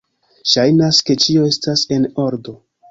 Ŝajnas ke ĉio estas en ordo.